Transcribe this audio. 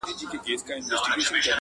عشق مي ژبه را ګونګۍ کړه-